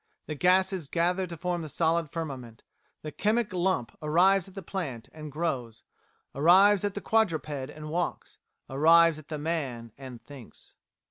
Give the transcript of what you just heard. The gases gather to the solid firmament; the chemic lump arrives at the plant and grows; arrives at the quadruped and walks; arrives at the man and thinks."